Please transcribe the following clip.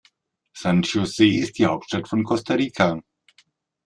San José ist die Hauptstadt von Costa Rica.